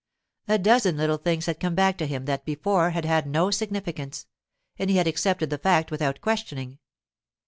A dozen little things had come back to him that before had had no significance, and he had accepted the fact without questioning.